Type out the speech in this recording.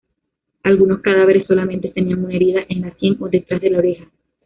Algunos cadáveres solamente tenían una herida en la sien o detrás de la oreja.